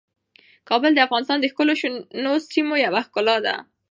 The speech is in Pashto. کابل د افغانستان د ټولو شنو سیمو یوه ښکلا ده.